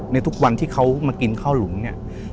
ในทุกวันที่เขามากินข้าวหลุมเนี่ย